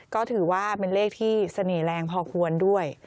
ก็ถือว่าเป็นเลขที่เสน่ห์แรงพอควรด้วย